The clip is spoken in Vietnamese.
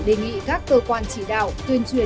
đề nghị các cơ quan chỉ đạo tuyên truyền